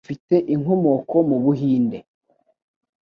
ufite inkomoko mu Buhinde